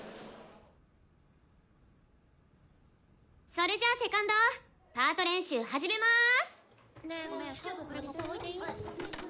それじゃあセカンドパート練習始めます。